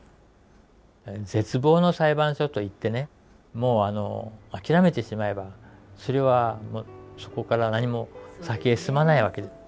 絶望の裁判所といってねもう諦めてしまえばそれはそこから何も先へ進まないわけです。